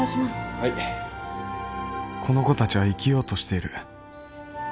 はいこの子たちは生きようとしている